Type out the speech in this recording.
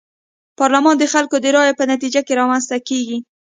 پارلمان د خلکو د رايو په نتيجه کي رامنځته کيږي.